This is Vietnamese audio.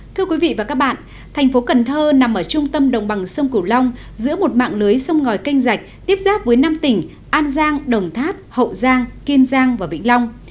thưa quý vị và các bạn thành phố cần thơ nằm ở trung tâm đồng bằng sông cửu long giữa một mạng lưới sông ngòi canh rạch tiếp giáp với năm tỉnh an giang đồng tháp hậu giang kiên giang và vĩnh long